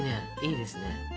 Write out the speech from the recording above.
いいですね。